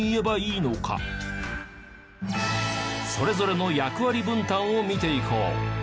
それぞれの役割分担を見ていこう。